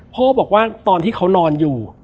พ่อบอกว่าตอนที่เขานอนอยู่